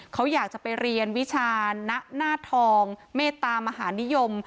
เขาอยากจะไปเรียนวิชาณหน้าทองเมตตามหานิยม